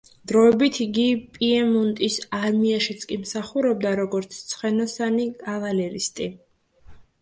დროებით იგი პიემონტის არმიაშიც კი მსახურობდა, როგორც ცხენოსანი კავალერისტი.